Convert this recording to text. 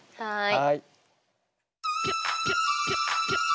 はい。